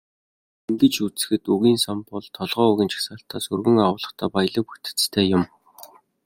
Ингэж үзэхэд, үгийн сан бол толгой үгийн жагсаалтаас өргөн агуулгатай, баялаг бүтэцтэй юм.